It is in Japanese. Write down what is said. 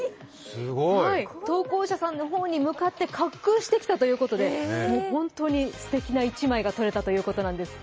投稿者さんの方に向かって滑空してきたということで本当にすてきな１枚が撮れたということなんです。